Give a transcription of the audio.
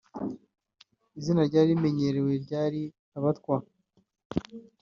Izina ryari rimenyerewe ryari “Abatwa”